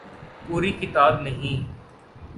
پوری کتاب نہیں۔